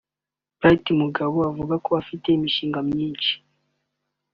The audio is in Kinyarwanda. Bright Mugabe avuga ko afite imishinga myinshi